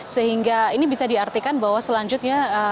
sehingga ini bisa diartikan bahwa selanjutnya